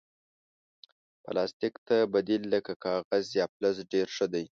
پلاستيک ته بدیل لکه کاغذ یا فلز ډېر ښه دی.